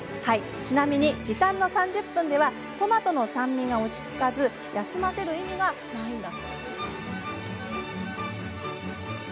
ちなみに時短の３０分ではトマトの酸味が落ち着かず休ませる意味がないそうです。